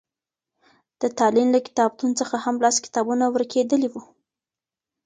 د تالين له کتابتون څخه هم لس کتابونه ورکېدلي وو.